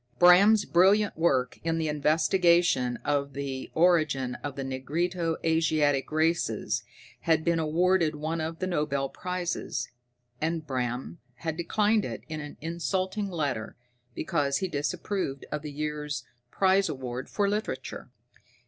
Bram's brilliant work in the investigation of the origin of the negrito Asiatic races had been awarded one of the Nobel prizes, and Bram had declined it in an insulting letter because he disapproved of the year's prize award for literature.